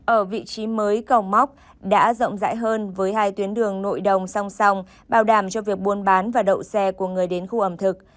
ở vị trí mới cầu móc đã rộng rãi hơn với hai tuyến đường nội đồng song song bảo đảm cho việc buôn bán và đậu xe của người đến khu ẩm thực